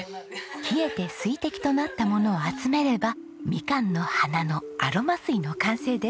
冷えて水滴となったものを集めればみかんの花のアロマ水の完成です。